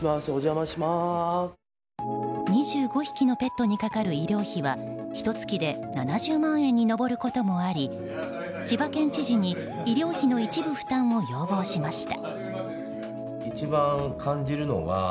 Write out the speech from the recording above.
２５匹のペットにかかる医療費はひと月で７０万円に上ることもあり千葉県知事に医療費の一部負担を要望しました。